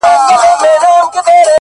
گـــډ وډ يـهـــوديـــان،